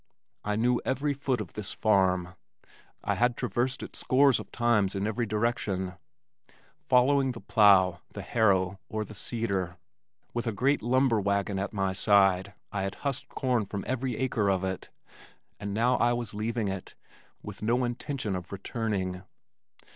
I knew every foot of this farm. I had traversed it scores of times in every direction, following the plow, the harrow, or the seeder. With a great lumber wagon at my side I had husked corn from every acre of it, and now I was leaving it with no intention of returning.